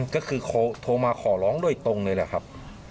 ก็คือโทรมาขอร้องโดยตรงเลยแหละครับ